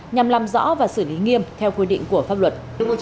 nhằm làm rõ và xử lý nghiêm theo quy định của pháp luật